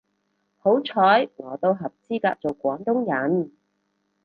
好彩我都合資格做廣東人